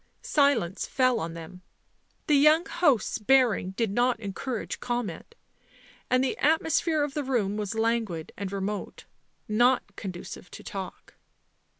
Silence fell on them ; the young host's bearing did not encourage comment, and the atmosphere of the room was languid and remote, not conducive to talk.